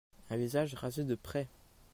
Un visage rasé de près.